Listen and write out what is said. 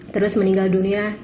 terus meninggal dunia